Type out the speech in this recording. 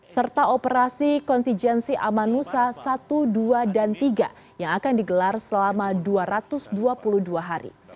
serta operasi kontijensi amanusa satu dua dan tiga yang akan digelar selama dua ratus dua puluh dua hari